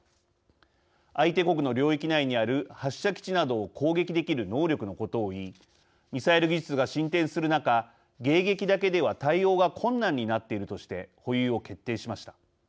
相手国の領域内にある発射基地などを攻撃できる能力のことを言いミサイル技術が進展する中迎撃だけでは対応が困難になっているとして保有を決定しました。